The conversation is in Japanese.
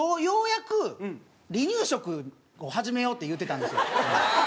ようやく離乳食を始めようって言うてたんですよ。